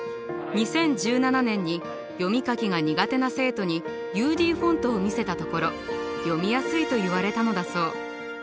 ２０１７年に読み書きが苦手な生徒にＵＤフォントを見せたところ読みやすいと言われたのだそう。